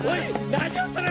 何をする！？